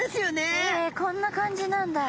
えこんな感じなんだ。